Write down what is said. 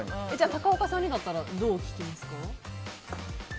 高岡さんにだったらどう聞きますか？